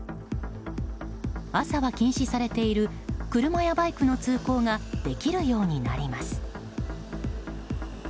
朝は禁止されている車やバイクの通行ができるようになります。